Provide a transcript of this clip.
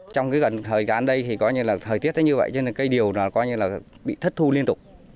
trong thời gian đây thời tiết như vậy cây điều bị thất thu liên tục